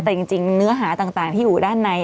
แต่จริงเนื้อหาต่างที่อยู่ด้านใน